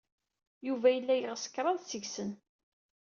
Yuba yella yeɣs kraḍ seg-sen.